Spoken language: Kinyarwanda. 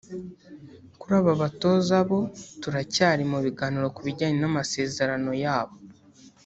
Kuri aba batoza bo turacyari mu biganiro ku bijyanye n’amasezerano yabo